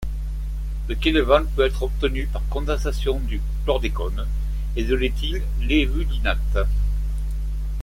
Le kelevan peut être obtenu par condensation du chlordécone et de l'éthyl-lévulinate.